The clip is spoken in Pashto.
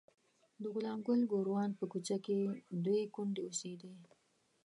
د غلام ګل ګوروان په کوڅه کې دوې کونډې اوسېدې.